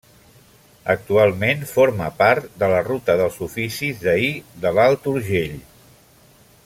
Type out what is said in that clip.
Actualment forma part de la Ruta dels oficis d'ahir de l'Alt Urgell.